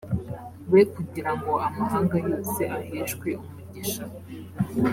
be kugira ngo amahanga yose aheshwe umugisha